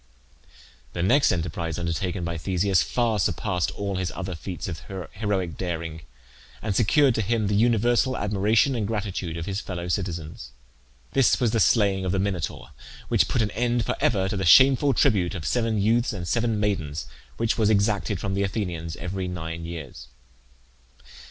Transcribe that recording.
The next enterprise undertaken by Theseus far surpassed all his other feats of heroic daring, and secured to him the universal admiration and gratitude of his fellow citizens. This was the slaying of the Minotaur, which put an end for ever to the shameful tribute of seven youths and seven maidens which was exacted from the Athenians every nine years.